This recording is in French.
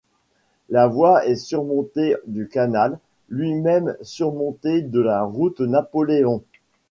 La voie est surmontée du canal, lui-même surmonté de la route Napoléon.